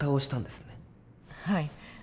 はい。